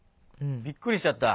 びっくりしちゃった。